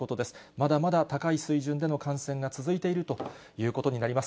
まだまだ高い水準での感染が続いているということになります。